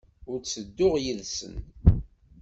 Ur ttedduɣ yid-sen.